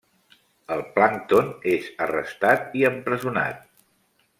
El plàncton és arrestat i empresonat.